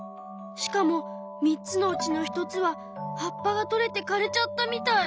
しかも３つのうちの１つは葉っぱが取れて枯れちゃったみたい。